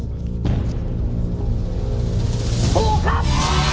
โหครับ